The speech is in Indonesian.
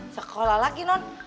sekolah lagi non